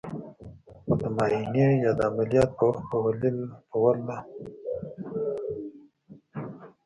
خو د معاينې يا د عمليات په وخت په ولله قسم ديه.